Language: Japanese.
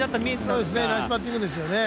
ナイスバッティングですよね。